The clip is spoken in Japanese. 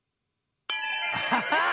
アハハッ！